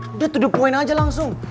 udah to the point aja langsung